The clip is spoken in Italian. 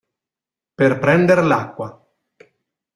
Per prender l'acqua.